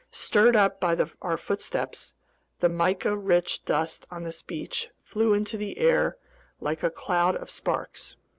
Stirred up by our footsteps, the mica rich dust on this beach flew into the air like a cloud of sparks.